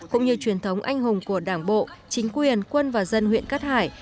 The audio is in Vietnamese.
cũng như truyền thống anh hùng của đảng bộ chính quyền quân và dân huyện cát hải